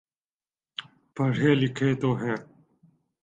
پڑھے لکھے تو ہیں۔